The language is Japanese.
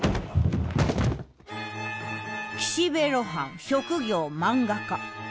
岸辺露伴職業漫画家。